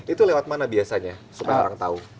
itu lewat mana biasanya supaya orang tahu